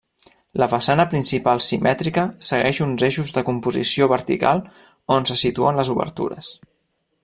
La façana principal simètrica segueix uns eixos de composició vertical on se situen les obertures.